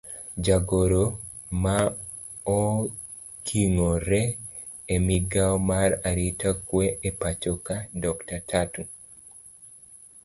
Jagoro maongirore e migao mar arita kwe e pachoka dr.Tatu